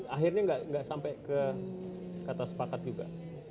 akhirnya nggak sampai ke kata sepakat juga